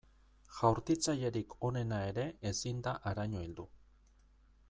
Jaurtitzailerik onena ere ezin da haraino heldu.